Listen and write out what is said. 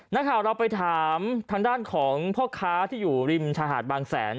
นักข่าวเราไปถามทางด้านของพ่อค้าที่อยู่ริมชายหาดบางแสน